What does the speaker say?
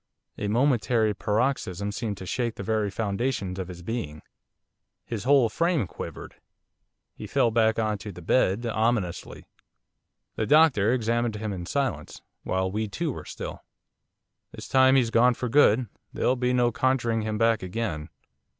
A momentary paroxysm seemed to shake the very foundations of his being. His whole frame quivered. He fell back on to the bed, ominously. The doctor examined him in silence while we too were still. 'This time he's gone for good, there'll be no conjuring him back again.